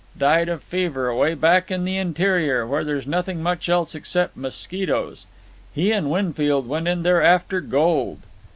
"Died of fever away back in the interior, where there's nothing much else except mosquitoes. He and Winfield went in there after gold."